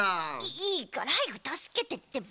いいからはやくたすけてってば。